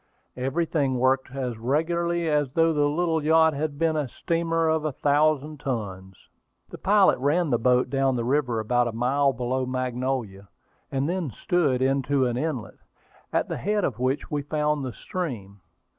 Everything worked as regularly as though the little yacht had been a steamer of a thousand tons. The pilot ran the boat down the river about a mile below Magnolia, and then stood into an inlet, at the head of which we found the stream.